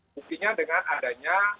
mungkin dengan adanya